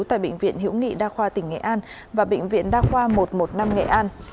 tại bệnh viện hữu nghị đa khoa tỉnh nghệ an và bệnh viện đa khoa một trăm một mươi năm nghệ an